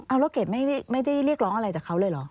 เอาแล้วเกดไม่ได้เรียกร้องอะไรจากเขาเลยเหรอ